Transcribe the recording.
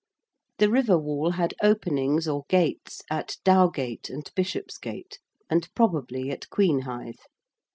The river wall had openings or gates at Dowgate and Bishopsgate, and probably at Queen Hithe.